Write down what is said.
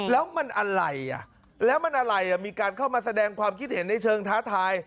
แล้วมันอะไรอ่ะแล้วมันอะไรมีการเข้ามาแสดงความคิดเห็นในเชิงท้าทาย